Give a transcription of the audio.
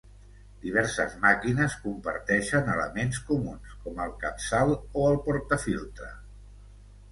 Diverses màquines comparteixen elements comuns, com el capçal o el portafiltre.